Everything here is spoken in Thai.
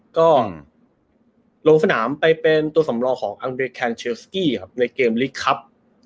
ก็ลงสนามไปเป็นตัวสำรองของอังเดแคนเชลสกี้ครับในเกมลีกครับ